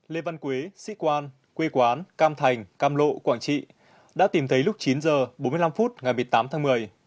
lê văn quế sĩ quan quê quán cam thành cam lộ quảng trị đã tìm thấy lúc chín h bốn mươi năm phút ngày một mươi tám tháng một mươi